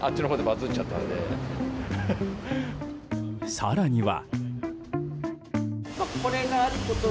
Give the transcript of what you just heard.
更には。